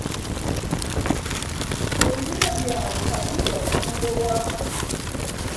Ebirime byabwe kati babitunde wa?